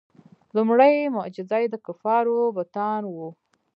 لومړنۍ معجزه یې د کفارو بتان وو.